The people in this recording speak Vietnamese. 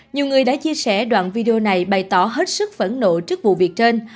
nhiều người đã chia sẻ đoạn video này bày tỏ hết sức phẫn nộ trước vụ việc trên